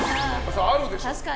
あるでしょう。